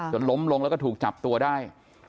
จนล้มลงแล้วก็ถูกจับตัวได้